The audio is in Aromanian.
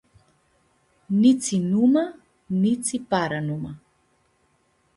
Nitsi numã, nitsi paranumã.